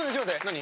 何？